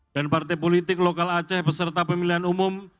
dan partai politik lokal aceh beserta pemilihan umum